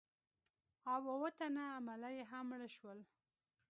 او اووه تنه عمله یې هم مړه شول.